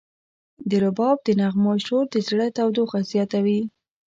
د رباب د نغمو شور د زړه تودوخه زیاتوي.